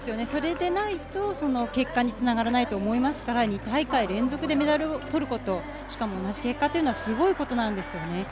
それでないと結果に繋がらないと思いますから２大会連続でメダルを取ること、しかも同じ結果はすごいことなんですよね。